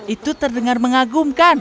itu terdengar mengagumkan